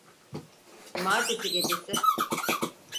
Cumartesi gecesi.